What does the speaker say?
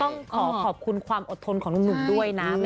ต้องขอขอบคุณความอดทนของหนุ่มด้วยนะ